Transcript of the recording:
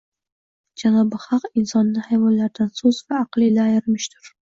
Janobi Haq insonni hayvonlardan so’z va aql ila ayirmishdur